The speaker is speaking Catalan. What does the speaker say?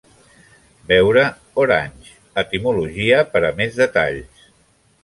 Veure Orange: etimologia per a més detalls.